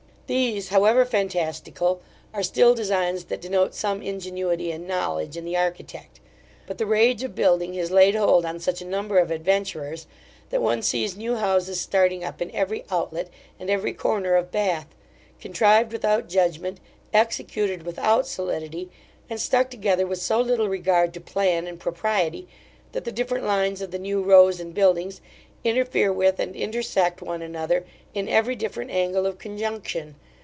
These, however fantastical, are still designs that denote some ingenuity and knowledge in the architect; but the rage of building has laid hold on such a number of adventurers, that one sees new houses starting up in every out let and every corner of Bath; contrived without judgment, executed without solidity, and stuck together with so little regard to plan and propriety, that the different lines of the new rows and buildings interfere with, and intersect one another in every different angle of conjunction.